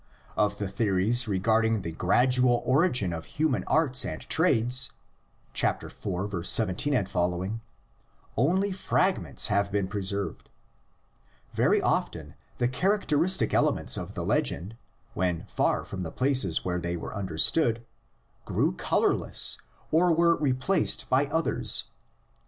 Of the theories regarding the gradual origin of human arts and trades (iv. 17 ff.) only fragments have been pre THE LEGENDS IN ORAL TRADITION. 103 served. Very often the characteristic elements of the legend, when far from the places where they were understood, grew colorless or were replaced by others.